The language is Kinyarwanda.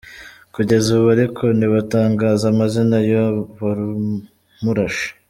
Kugeza ubu ariko ntibatangaza amazina y’uwo wamurashe.